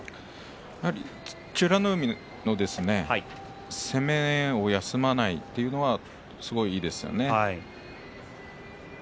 やはり美ノ海攻めを休まないというのがいいですよね。